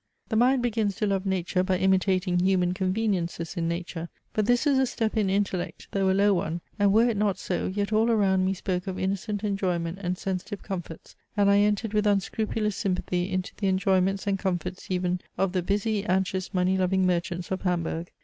The mind begins to love nature by imitating human conveniences in nature; but this is a step in intellect, though a low one and were it not so, yet all around me spoke of innocent enjoyment and sensitive comforts, and I entered with unscrupulous sympathy into the enjoyments and comforts even of the busy, anxious, money loving merchants of Hamburg.